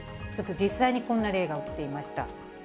ちょっと実際にこんな例が起きていました。